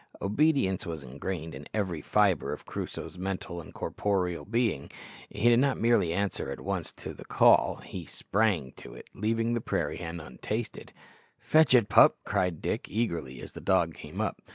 Obedience was engrained in every fibre of Crusoe's mental and corporeal being. He did not merely answer at once to the call he sprang to it, leaving the prairie hen untasted. "Fetch it, pup," cried Dick eagerly as the dog came up.